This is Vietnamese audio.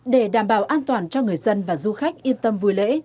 để đảm bảo an toàn cho người dân và du khách yên tâm vui lễ